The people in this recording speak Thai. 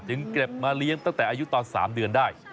เก็บมาเลี้ยงตั้งแต่อายุตอน๓เดือนได้